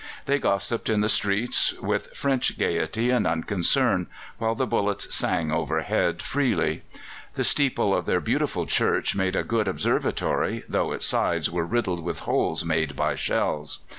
They gossiped in the streets with French gaiety and unconcern, while the bullets sang overhead pretty freely. The steeple of their beautiful church made a good observatory, though its sides were riddled with holes made by shells.